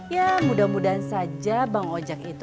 ya mudah mudahan saja bang ojak itu